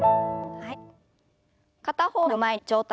はい。